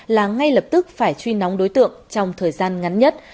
là ngay lập tức phải truy nóng đối tượng trong thời gian ngắn nhất